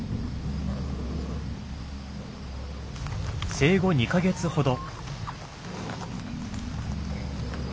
生後２カ月ほど。